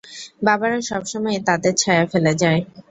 বাবারা সবসময়েই তাদের ছায়া ফেলে যায়।